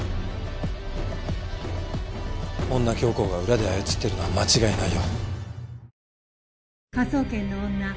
女教皇が裏で操ってるのは間違いないよ。